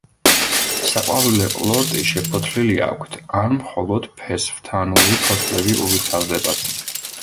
საყვავილე ყლორტი შეფოთლილი აქვთ ან მხოლოდ ფესვთანური ფოთლები უვითარდებათ.